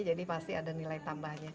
jadi pasti ada nilai tambahnya